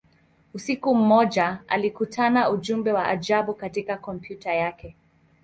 Usiku mmoja, alikutana ujumbe wa ajabu katika kompyuta yake.